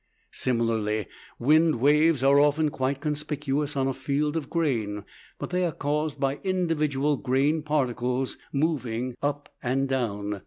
Similarly, wind waves are often quite conspicuous on a field of grain; but they are caused by the individual grain particles moving up and down.